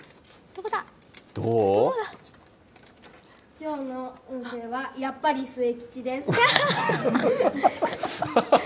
きょうの運勢は、やっぱり末吉です。